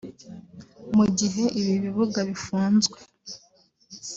Mu gihe ibi bibuga bifunzwe